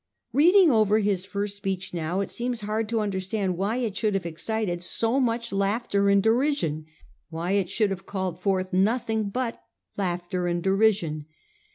Reading over this first speech now, it seems hard to understand why it should have excited so much laughter and derision; why it should have called forth nothing but laughter and derision.